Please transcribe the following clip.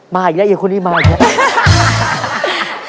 อีกแล้วอีกคนนี้มาอีกแล้ว